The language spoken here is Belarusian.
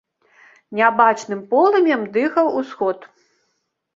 Нябачным полымем дыхаў усход.